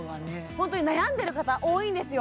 本当に悩んでる方多いんですよ